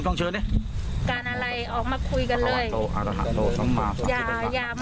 ออกมาคุยออกมาสื่อสารกันว่าต้องการอะไรกันเนี่ย